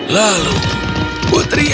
lalu putri anastasia pun berhenti